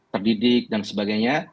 terdidik dan sebagainya